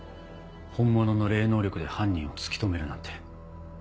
本物の霊能力で犯人を突き止めるなんて。